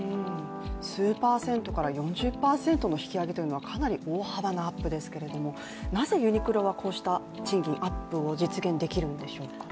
数パーセントから４０％の引き上げというのはかなり大幅なアップですけれどもなぜユニクロはこうした賃金アップを実現できるんでしょう？